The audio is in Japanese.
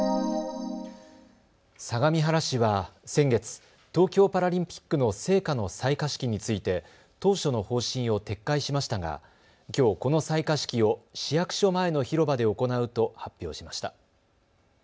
相模原市は先月、東京パラリンピックの聖火の採火式について当初の方針を撤回しましたが、きょう、この採火式を市役所前の広場で行うと発表しました。